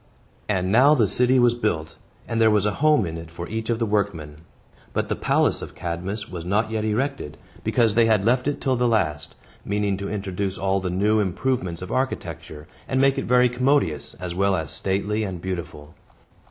And now the city was built, and there was a home in it for each of the workmen. But the palace of Cadmus was not yet erected, because they had left it till the last, meaning to introduce all the new improvements of architecture, and make it very commodious, as well as stately and beautiful.